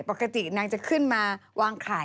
เอาไปทำไมเอาไปทำไม